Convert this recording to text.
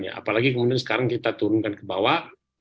apalagi kemudian sekarang kita turunkan ke bawah